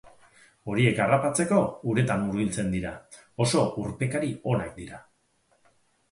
Horiek harrapatzeko uretan murgiltzen dira; oso urpekari onak dira.